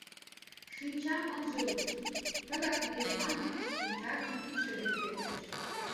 Шинчам ынже уж, — тыгак лиеш манын, шинчажым кидше дене петырыш.